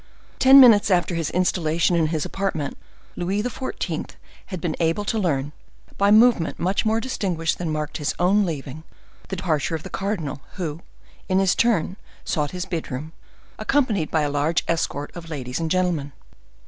Ten minutes after his installation in his apartment, Louis XIV. had been able to learn, by movement much more distinguished than marked his own leaving, the departure of the cardinal, who, in his turn, sought his bedroom, accompanied by a large escort of ladies and gentlemen.